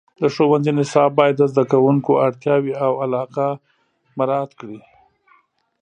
د ښوونځي نصاب باید د زده کوونکو اړتیاوې او علاقه مراعات کړي.